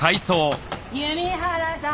弓原さん！